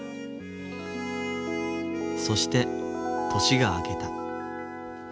そして年が明けた。